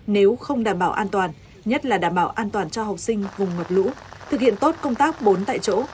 nếu không đảm bảo an toàn nhất là đảm bảo an toàn cho học sinh vùng ngập lũ thực hiện tốt công tác bốn tại chỗ